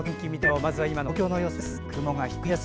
まずは今の東京の様子です。